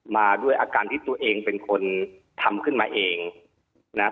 มาด้วยอาการที่ตัวเองเป็นคนทำขึ้นมาเองนะฮะ